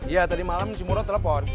iya tadi malam si muroh telepon